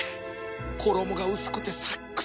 衣が薄くてサックサク